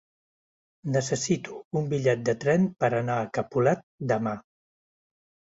Necessito un bitllet de tren per anar a Capolat demà.